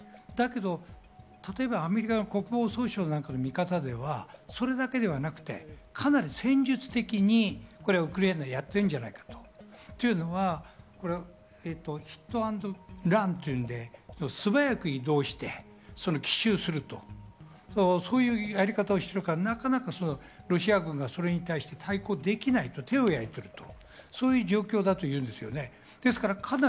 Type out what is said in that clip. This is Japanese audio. だけど、例えばアメリカの国防総省なんかの見方ではそれだけではなくて、かなり戦術的にウクライナやってるんじゃないかというのはヒットアンドランというので、素早く移動して奇襲すると、そういうやり方をしているからロシア軍がそれに対して手をやいていると、そういう状況だというんですね。